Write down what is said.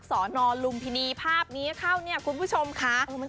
ศนลุ้มพินีภาพมีเช่านี้คุณผู้ชมค่ะ